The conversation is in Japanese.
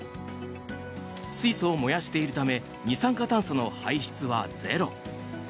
水素を燃やしているため二酸化炭素の排出はゼロ。